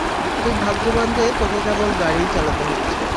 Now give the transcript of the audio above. তুই ভাগ্যবান যে তোকে কেবল গাড়িই চালাতে হচ্ছে।